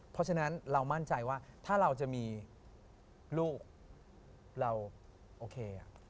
เพราะฉะนั้นเรามั่นใจว่าถ้าเราจะมีลูกเราโอเค